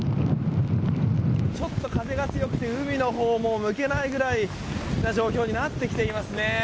ちょっと風が強くて海のほうも向けないぐらいな状況になってきていますね。